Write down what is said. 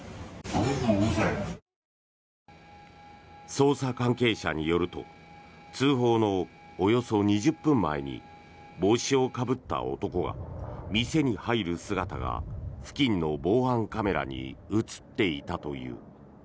捜査関係者によると通報のおよそ２０分前に帽子をかぶった男が店に入る姿が付近の防犯カメラに映っていたという。